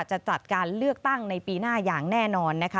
จะจัดการเลือกตั้งในปีหน้าอย่างแน่นอนนะคะ